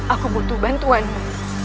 aku butuh bantuanmu